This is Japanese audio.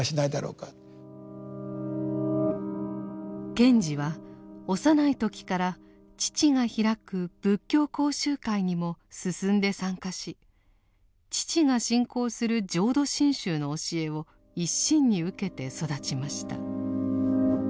賢治は幼い時から父が開く仏教講習会にも進んで参加し父が信仰する浄土真宗の教えを一身に受けて育ちました。